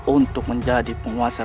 untuk menjadi penguasa